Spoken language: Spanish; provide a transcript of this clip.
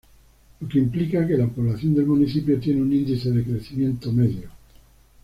Lo que implica que la población del municipio tiene un índice de crecimiento medio.